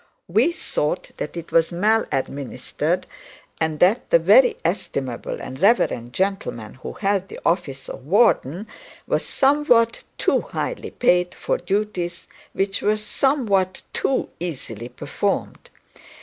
We thought that it was maladministered, and that the very estimable and reverend gentleman who held the office of warden was somewhat too highly paid for duties which were somewhat too easily performed.